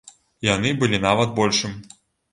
Яны былі нават большым.